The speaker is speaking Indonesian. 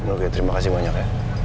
oke terima kasih banyak ya